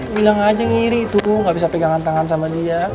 bilang aja ngiri itu gak bisa pegangan tangan sama dia